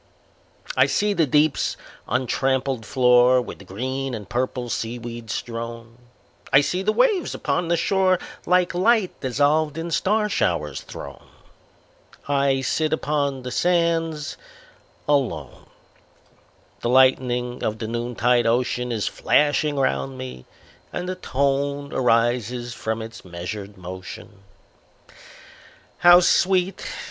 I see the deep's untrampled floor With green and purple seaweeds strown; I see the waves upon the shore, Like light dissolved in star showers, thrown: I sit upon the sands alone, The lightning of the noontide ocean Is flashing round me, and a tone Arises from its measured motion, How sweet!